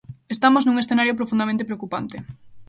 Estamos nun escenario profundamente preocupante.